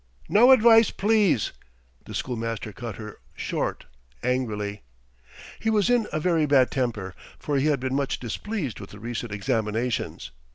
"No advice, please!" the schoolmaster cut her short angrily. He was in a very bad temper, for he had been much displeased with the recent examinations.